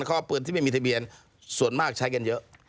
แล้วก็ปืนที่ไม่มีทะเบียนส่วนมากใช้กันเยอะ